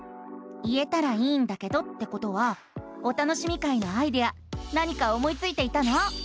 「言えたらいいんだけど」ってことは「お楽しみ会」のアイデア何か思いついていたの？